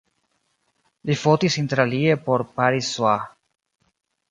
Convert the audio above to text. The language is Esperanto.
Li fotis inter alie por Paris-Soir.